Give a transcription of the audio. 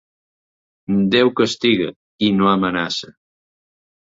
Déu castiga i no amenaça.